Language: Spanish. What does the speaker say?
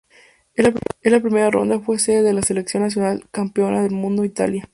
En la primera ronda fue sede de la selección nacional campeona del mundo, Italia.